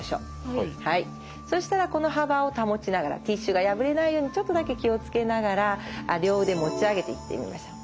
そしたらこの幅を保ちながらティッシュが破れないようにちょっとだけ気を付けながら両腕持ち上げていってみましょう。